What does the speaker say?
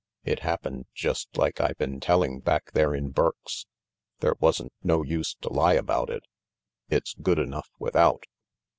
"It hap pened just like I been telling back there in Burke's. There wasn't no use to lie about it. It's good enough without."